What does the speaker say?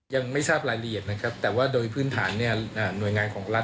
ยังไม่ทราบรายละเอียดนะครับแต่ว่าโดยพื้นฐานเนี่ยหน่วยงานของรัฐ